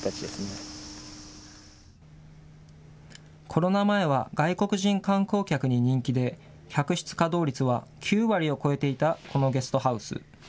コロナ前は外国人観光客に人気で、客室稼働率は９割を超えていたこのゲストハウス。